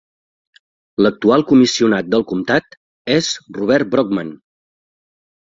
L'actual Comissionat del Comtat és Robert Brockman.